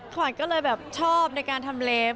ขวัญก็เลยแบบชอบในการทำเลฟ